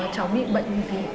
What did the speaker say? cháu bị bệnh gì